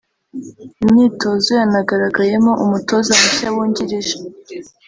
Imyitozo yanagaragayemo umutoza mushya wungirije